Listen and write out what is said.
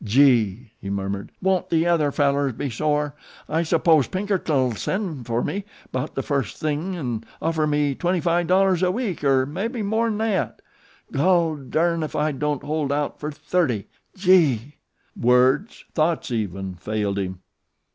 "Gee!" he murmured, "won't the other fellers be sore! I s'ppose Pinkerton'll send for me 'bout the first thing 'n' offer me twenty fi' dollars a week, er mebbie more 'n thet. Gol durn, ef I don't hold out fer thirty! Gee!" Words, thoughts even, failed him.